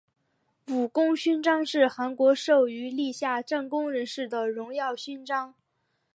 武功勋章是韩国授予立下战功人士的荣誉勋章。